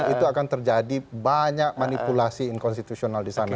itu akan terjadi banyak manipulasi inkonstitusional di sana